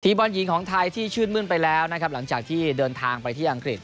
บอลหญิงของไทยที่ชื่นมื้นไปแล้วนะครับหลังจากที่เดินทางไปที่อังกฤษ